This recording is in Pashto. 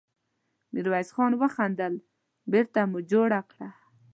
ميرويس خان وخندل: بېرته مو جوړه کړه!